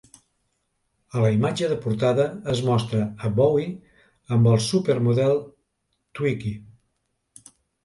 A la imatge de portada es mostra a Bowie amb el supermodel Twiggy.